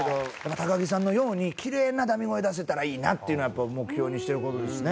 高木さんのようにきれいなダミ声出せたらいいなっていうのはやっぱ目標にしてる事ですね。